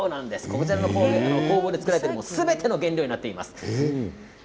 こちらの工房で作られているもののすべての原料になっています。